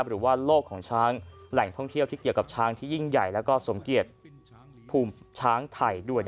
หรือว่าโลกของช้างแหล่งท่องเที่ยวที่เกี่ยวกับช้างที่ยิ่งใหญ่แล้วก็สมเกียจภูมิช้างไทยด้วย